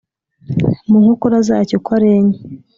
Mu nkokora zacyo uko ari enye